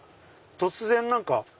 突然何か。